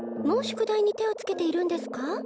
もう宿題に手をつけているんですか？